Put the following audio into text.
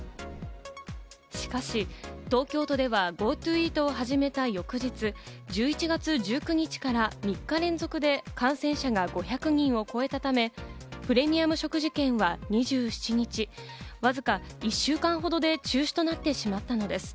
しかし東京都ではＧｏＴｏＥａｔを始めた翌日、１１月１９日から３日連続で感染者が５００人を超えたため、プレミアム食事券は２７日、わずか１週間ほどで中止となってしまったのです。